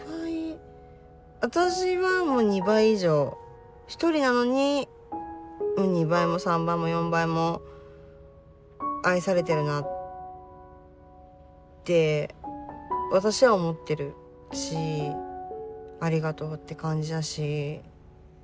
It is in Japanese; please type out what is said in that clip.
私はもう２倍以上一人なのに２倍も３倍も４倍も愛されてるなって私は思ってるしありがとうって感じだし。